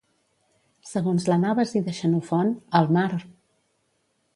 Segons l'Anàbasi de Xenofont, el mar!